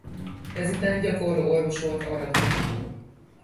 Ezután gyakorló orvos volt Aradon.